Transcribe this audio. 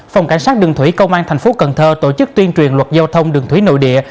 phòng cảnh sát đường thủy công an thành phố cần thơ tổ chức tuyên truyền luật giao thông đường thủy nội địa